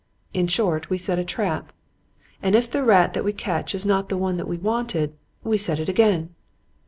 In short, we set a trap. And if the rat that we catch is not the one that we wanted, we set it again.